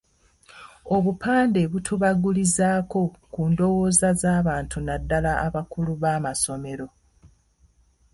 Obupande butubagulizaako ku ndowooza z’abantu naddala abakulu b’amasomero.